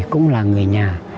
cũng là người nhà